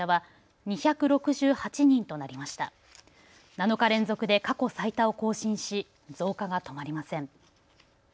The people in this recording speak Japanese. ７日連続で過去最多を更新し増加が止まりません。